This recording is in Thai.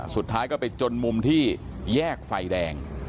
สุดท้ายก็ไปจนมุมที่แยกไฟแดง